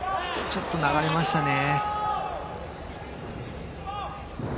ちょっと流れましたね。